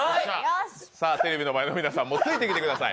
テレビの前の皆さんもついてきてください。